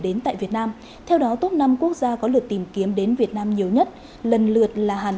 đến tại việt nam theo đó top năm quốc gia có lượt tìm kiếm đến việt nam nhiều nhất lần lượt là hàn